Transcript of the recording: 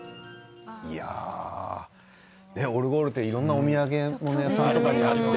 オルゴールっていろんなお土産物屋さんとかにあって。